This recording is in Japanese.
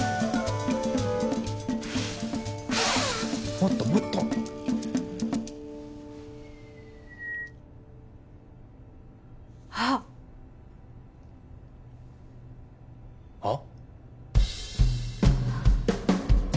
もっともっとあっあっ？